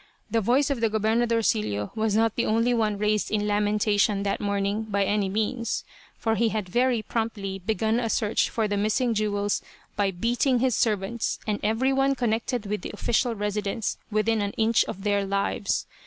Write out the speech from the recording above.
The voice of the "Gobernadorcillo" was not the only one raised in lamentation that morning, by any means, for he had very promptly begun a search for the missing jewels by beating his servants and every one connected with the official residence, within an inch of their lives.